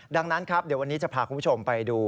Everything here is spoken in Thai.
ดังนั้นครับเดี๋ยววันนี้จะพาคุณผู้ชมไปดู